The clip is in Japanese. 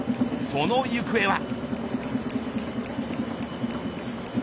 その行方は。